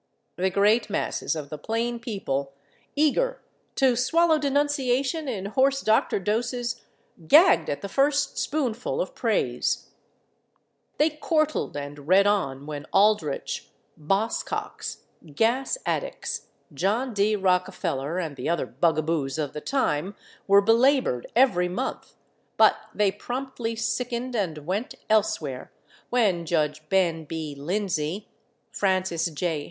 The great masses of the plain people, eager to swallow denunciation in horse doctor doses, gagged at the first spoonful of praise. They chortled and read on when Aldrich, Boss Cox, Gas Addicks, John D. Rockefeller and the other bugaboos of the time were belabored every month, but they promptly sickened and went elsewhere when Judge Ben B. Lindsey, Francis J.